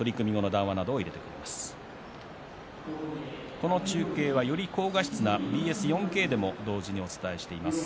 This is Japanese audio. この中継は、より高画質なＢＳ４Ｋでも同時にお伝えしています。